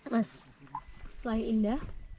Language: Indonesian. mas selain indah